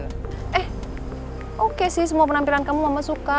eh oke sih semua penampilan kamu mama suka